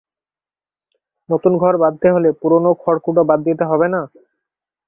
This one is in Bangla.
নতুন ঘর বাঁধতে হলে পুরোনো খড়কুটো বাদ দিতে হবে না?